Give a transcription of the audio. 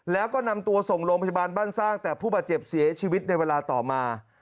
แล้วก็นำตัวส่งโรงพยาบาลบ้านสร้างแต่ผู้บาดเจ็บเสียชีวิตในเวลาต่อมา